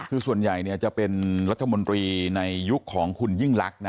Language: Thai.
คือส่วนใหญ่จะเป็นรัฐมนตรีในยุคของคุณยิ่งลักษณ์